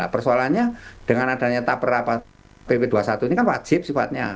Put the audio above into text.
persoalannya dengan adanya tak pernah pp dua puluh satu ini kan wajib sifatnya